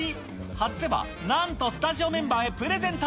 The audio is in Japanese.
外せば、なんとスタジオメンバーへプレゼント。